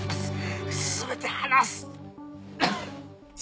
す全て話す